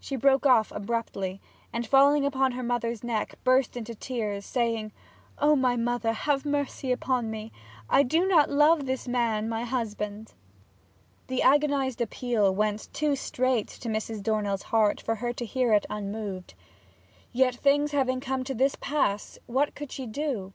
She broke off abruptly, and falling upon her mother's neck, burst into tears, saying, 'O my mother, have mercy upon me I do not love this man, my husband!' The agonized appeal went too straight to Mrs. Dornell's heart for her to hear it unmoved. Yet, things having come to this pass, what could she do?